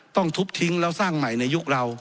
ต้องทุบทิ้งแล้วสร้างใหม่ในยุคเรา